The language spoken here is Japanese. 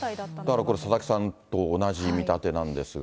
だからこれ、佐々木さんと同じ見立てなんですが。